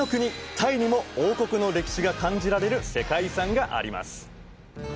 タイにも王国の歴史が感じられる世界遺産があります